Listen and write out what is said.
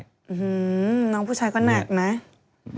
อื้อหือน้องผู้ชายก็หนักไหม